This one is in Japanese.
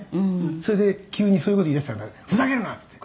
「それで急にそういう事言い出したから“ふざけるな！”っていって。